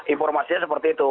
informasinya seperti itu